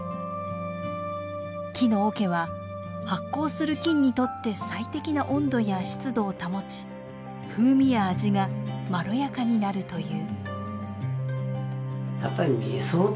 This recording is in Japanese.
木の桶は発酵する菌にとって最適な温度や湿度を保ち風味や味がまろやかになるという。